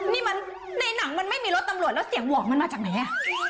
นี่มันในหนังมันไม่มีรถตำรวจแล้วเสียงหวอกมันมาจากไหนอ่ะ